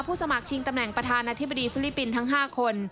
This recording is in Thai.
สมัครชิงตำแหน่งประธานาธิบดีฟิลิปปินส์ทั้ง๕คน